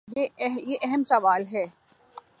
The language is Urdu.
یہ اہم سوال ہے۔